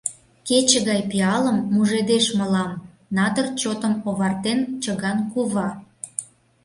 Кече гай пиалым мужедеш мылам, надыр чотым овартен, чыган кува.